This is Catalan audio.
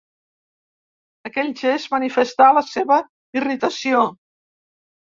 Aquell gest manifestà la seva irritació.